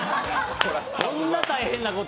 そんな大変なこと？